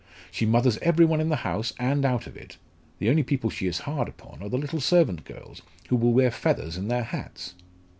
She mothers every one in the house and out of it. The only people she is hard upon are the little servant girls, who will wear feathers in their hats!"